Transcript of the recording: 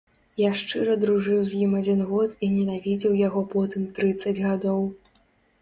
Я шчыра дружыў з ім адзін год і ненавідзеў яго потым трыццаць гадоў.